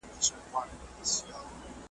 تا کاسه خپله وهلې ده په لته .